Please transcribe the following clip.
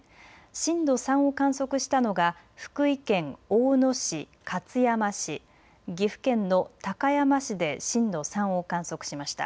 震度３を観測したのが福井県大野市、勝山市、岐阜県の高山市で震度３を観測しました。